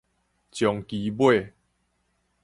終其尾